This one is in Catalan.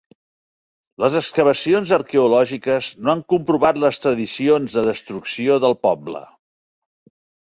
Les excavacions arqueològiques no han comprovat les tradicions de destrucció del poble.